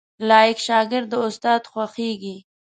لايق شاګرد د استاد خوښیږي